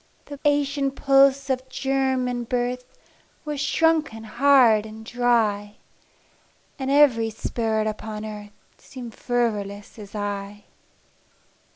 The ancient pulse of germ and birth Was shrunken hard and dry, And every spirit upon earth Seemed fervorless as I.